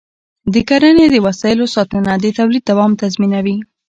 د کرنې د وسایلو ساتنه د تولید دوام تضمینوي.